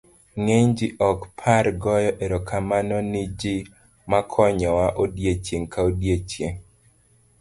ng'eny ji ok par goyo erokamano ni ji makonyowa odiochieng' ka odiochieng'